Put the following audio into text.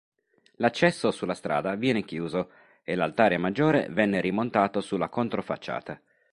L'accesso sulla strada viene chiuso e l'altare maggiore venne rimontato sulla controfacciata.